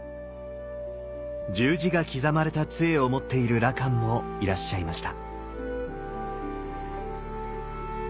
十字が刻まれた杖を持っている羅漢もいらっしゃいました。